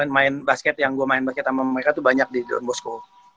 main basket yang gue main basket sama mereka tuh banyak di drone bosco